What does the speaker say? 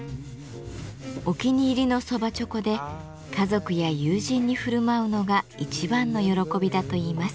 お気に入りの蕎麦猪口で家族や友人に振る舞うのが一番の喜びだといいます。